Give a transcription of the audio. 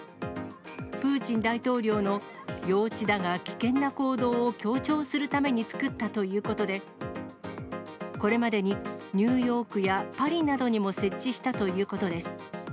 プーチン大統領の幼稚だが危険な行動を強調するために作ったということで、これまでにニューヨークやパリなどにも設置したということです。